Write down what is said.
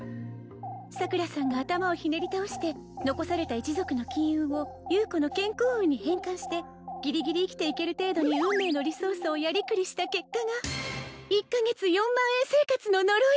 桜さんが頭をひねり倒して残された一族の金運を優子の健康運に変換してぎりぎり生きていける程度に運命のリソースをやりくりした結果が１カ月４万円生活の呪い